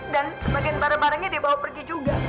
dan sebagian barang barangnya dibawa pergi juga